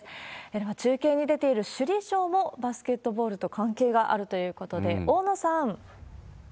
では、中継に出ている首里城も、バスケットボールと関係があるということで、大野さん。